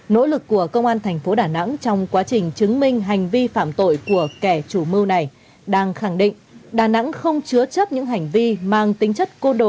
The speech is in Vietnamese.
nỗ lực của công an thành phố đà nẵng trong quá trình chứng minh hành vi phạm tội của kẻ chủ mưu này đang khẳng định đà nẵng không chứa chấp những hành vi mang tính chất cô đồ bảo kê địa bàn